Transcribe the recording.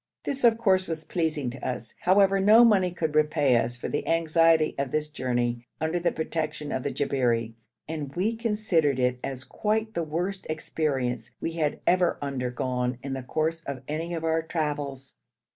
This, of course, was pleasing to us; however, no money could repay us for the anxiety of this journey under the protection of the Jabberi, and we considered it as quite the worst experience we had ever undergone in the course of any of our travels.